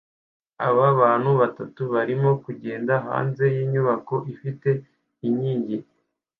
Aba bantu batandatu barimo kugenda hanze yinyubako ifite inkingi